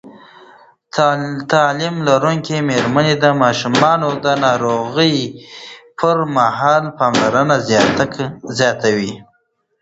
تعلیم لرونکې میندې د ماشومانو د ناروغۍ پر مهال پاملرنه زیاتوي.